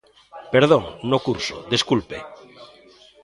Perdón, no curso, desculpe.